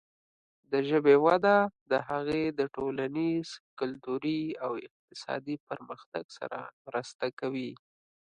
د ژبې وده د هغې د ټولنیز، کلتوري او اقتصادي پرمختګ سره مرسته کوي.